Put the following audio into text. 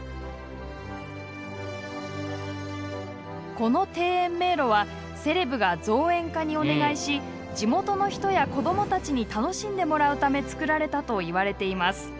この庭園迷路はセレブが造園家にお願いし地元の人や子どもたちに楽しんでもらうため造られたといわれています。